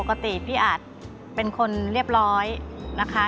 ปกติพี่อาจเป็นคนเรียบร้อยนะคะ